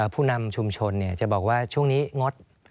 ผู้นำชุมชนจะบอกว่าช่วงนี้งด